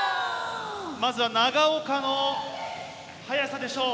まずは長岡の速さでしょう。